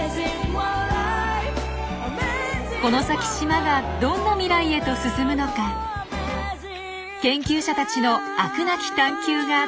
この先島がどんな未来へと進むのか研究者たちの飽くなき探求が続きます。